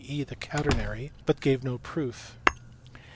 e. the catenary, but gave no proof.